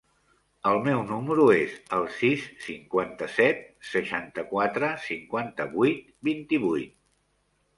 El meu número es el sis, cinquanta-set, seixanta-quatre, cinquanta-vuit, vint-i-vuit.